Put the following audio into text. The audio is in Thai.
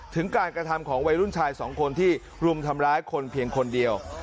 ถึงการกระทำของวัยรุ่นชายสองคนที่รุมทำร้ายคนเพียงคนเดียว